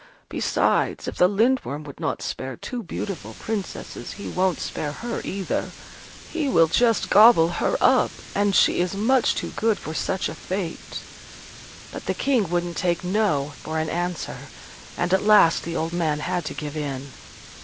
Besides, if the Lindworm would not spare two beautiful Princesses, he won't spare her either. He will just gobble her up: and she is much too good for such a fate." But the King wouldn't take "No" for an answer: and at last the old man had to give in.